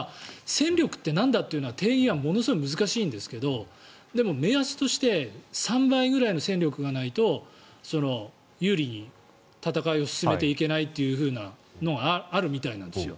戦力ってなんだというのは定義がものすごい難しいんですがでも、目安として３倍ぐらいの戦力がないと有利に戦いを進めていけないというのがあるみたいなんです。